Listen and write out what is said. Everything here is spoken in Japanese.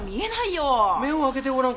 目を開けてごらん。